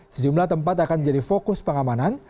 sejumlah tempat akan menjadi fokus pengamanan